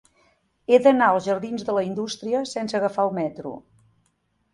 He d'anar als jardins de la Indústria sense agafar el metro.